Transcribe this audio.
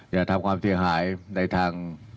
อย่าทำความเสียหายในทาง